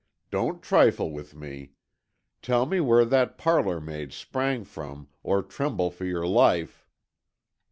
"Don't trifle with me. Tell me where that parlour maid sprang from, or tremble for your life!"